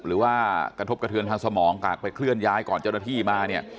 หรือว่ากระทบกระเทือนทางสมองกากไปเคลื่อนย้ายก่อนเจ้าหน้าที่มาเนี่ย